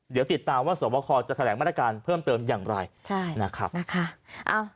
เดี๋ยวติดตามว่าสวบคอจะแถลงมาตรการเพิ่มเติมอย่างไรใช่นะครับ